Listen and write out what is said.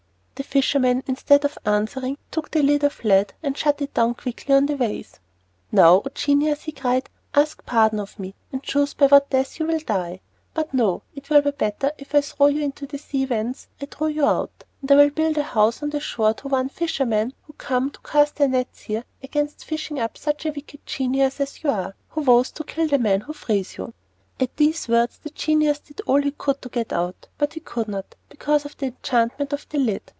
The fisherman instead of answering took the lid of lead and shut it down quickly on the vase. "Now, O genius," he cried, "ask pardon of me, and choose by what death you will die! But no, it will be better if I throw you into the sea whence I drew you out, and I will build a house on the shore to warn fishermen who come to cast their nets here, against fishing up such a wicked genius as you are, who vows to kill the man who frees you." At these words the genius did all he could to get out, but he could not, because of the enchantment of the lid.